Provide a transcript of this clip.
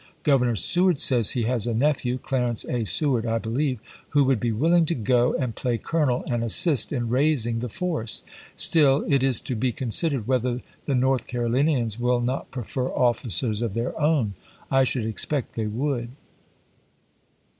Governor Seward says he has a nephew (Clarence A. Seward, I believe) who would be willing to go and play colonel and assist in raising the force. Still, it is to be considered whether the North Carolinians will not prefer officers of theii* own. I should expect they would.